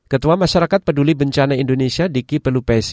ketua masyarakat peduli bencana indonesia diki pelupesi